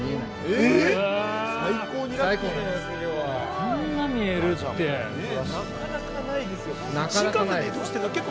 ◆こんな見えるって◆なかなかないですよ。